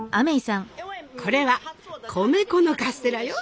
これは米粉のカステラよ。